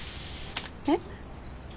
えっ？